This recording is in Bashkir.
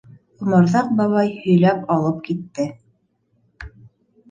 Оморҙаҡ бабай һөйләп алып китте: